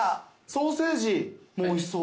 ソーセージおいしそう。